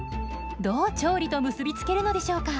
どう調理と結び付けるのでしょうか？